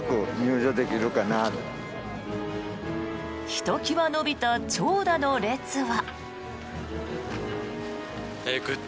ひときわ延びた長蛇の列は。